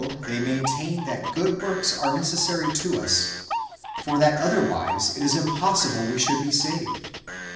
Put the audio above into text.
they maintain that good works are necessary to us, for that otherwise it is impossible we should be saved.